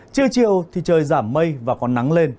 trưa chiều thì trời giảm mây và có nắng lên